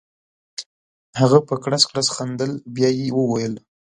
هغه په کړس کړس خندل بیا یې وویل.